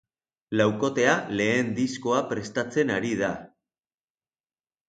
Laukotea lehen diskoa prestatzen ari da.